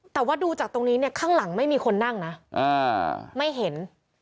แต่ว่าดูจากตรงนี้เนี่ยข้างหลังไม่มีคนนั่งนะไม่เห็น